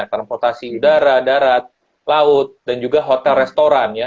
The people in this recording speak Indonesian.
transportasi udara darat laut dan juga hotel restoran ya